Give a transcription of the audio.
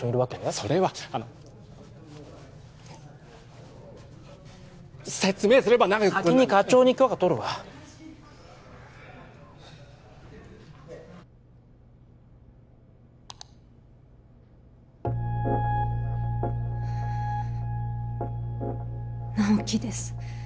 それはあの説明すれば長く先に課長に許可取るわ直木です